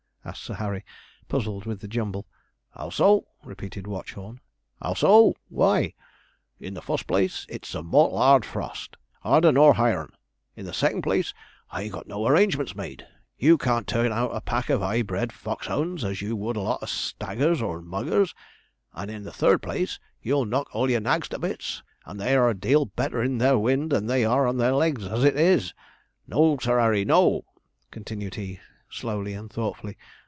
asked Sir Harry, puzzled with the jumble. 'How so?' repeated Watchorn; 'how so? Why, in the fust place, it's a mortal 'ard frost, 'arder nor hiron; in the second place, I've got no arrangements made you can't turn out a pack of 'igh bred fox 'ounds as you would a lot of "staggers" or "muggers"; and, in the third place, you'll knock all your nags to bits, and they are a deal better in their wind than they are on their legs, as it is. No, Sir 'Arry no,' continued he, slowly and thoughtfully.